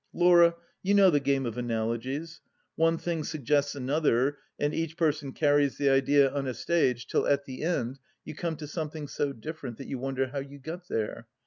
Laura, you know the game of Analogies. One thing suggests another and each person carries the idea on a stage till at the end you come to something so different that you wonder how you got there.